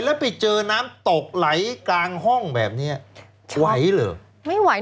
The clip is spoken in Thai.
แล้วไปเจอน้ำตกไหลกลางห้องแบบนี้ไหวเหรอไม่ไหว